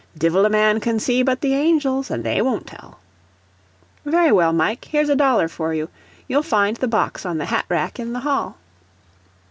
Dhivil a man can see but the angels, an' they won't tell." "Very well, Mike; here's a dollar for you; you'll find the box on the hat rack in the hall."